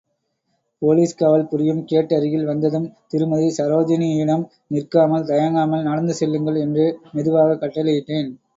போலீஸ்காவல் புரியும் கேட் அருகில் வந்ததும் திருமதி.சரோஜினியிடம் நிற்காமல் தயங்காமல் நடந்து செல்லுங்கள் என்று மெதுவாகக் கட்டளையிட்டேன்.